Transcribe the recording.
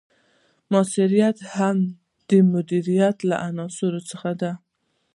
مؤثریت هم د مدیریت له عناصرو څخه دی.